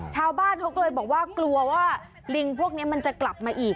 ชาวบ้านเขาก็เลยบอกว่ากลัวว่าลิงพวกนี้มันจะกลับมาอีก